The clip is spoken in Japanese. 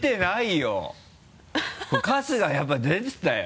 これ春日やっぱ出てたよ。